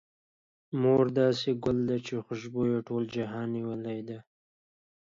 مور يو داسې ګل ده، چې خوشبو يې ټول جهان نيولې ده.